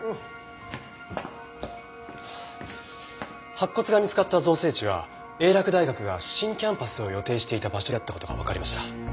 白骨が見つかった造成地は英洛大学が新キャンパスを予定していた場所だった事がわかりました。